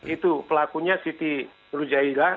itu pelakunya siti rujailah